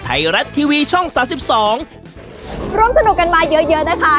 ไทยรัฐทีวีช่องสามสิบสองร่วมสนุกกันมาเยอะเยอะนะคะ